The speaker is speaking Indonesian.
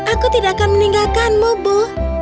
aku tidak akan meninggalkanmu bu